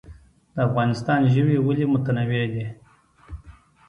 د افغانستان ژوي ولې متنوع دي؟